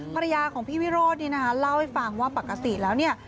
ภรรยาของพี่วิโรธนี่นะคะเล่าให้ฟังว่าปกติแล้วเนี่ย